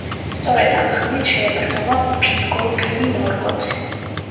სწორედ ამ ხმლით შეებრძოლა ფინგოლფინი მორგოთს.